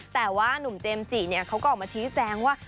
แต่ว่านุ่มเจมส์จิเขาก็ออกมาชี้แจงว่า